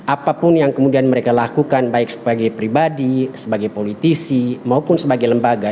apapun yang kemudian mereka lakukan baik sebagai pribadi sebagai politisi maupun sebagai lembaga